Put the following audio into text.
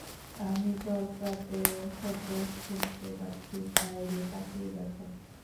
আমি জলপ্রাতের শব্দ শুনতে পাচ্ছি, - বাইরে তাকিয়ে দেখো।